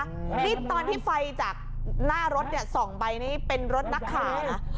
นี่ตอนที่ไฟจากหน้ารถเนี่ย๒ใบนี่เป็นรถนักค้านะ